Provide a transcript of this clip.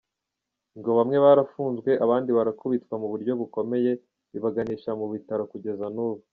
Ngo bamwe barafunzwe, abandi barakubitwa mu buryo bukomeye bibaganisha mu bitaro kugeza n’ubu.